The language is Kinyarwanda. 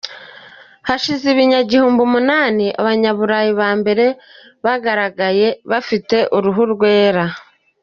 Hashize ibinyagihumbi umunani Abanyaburayi ba mbere bagaragaye bafite uruhu rwera.